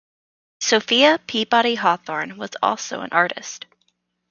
Sophia Peabody Hawthorne was also an artist.